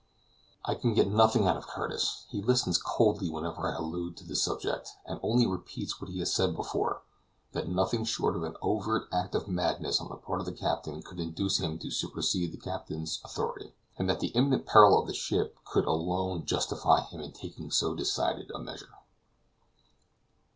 I can get nothing out of Curtis; he listens coldly whenever I allude to the subject, and only repeats what he has said before, that nothing short of an overt act of madness on the part of the captain could induce him to supersede the captain's authority, and that the imminent peril of the ship could alone justify him in taking so decided a measure.